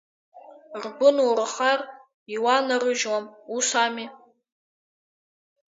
Ргәы нурхар иуанарыжьуам, ус ами?